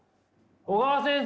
小川先生！